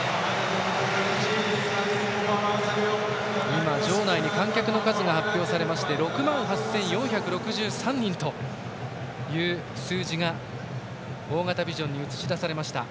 今、場内に観客の数が発表されて６万８４６３人という数字が大型ビジョンに映し出されました。